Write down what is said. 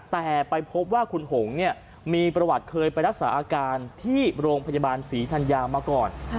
แต่ไปพบว่าคุณหงเนี่ยมีประวัติเคยไปรักษาอาการที่โรงพยาบาลศรีธัญญามาก่อน